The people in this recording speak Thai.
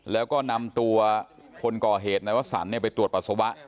แล้วก็นำตัวคนกล่อเหตุเนี่ยว่าสรรค์เนี่ยไปตรวจปัสสาวะ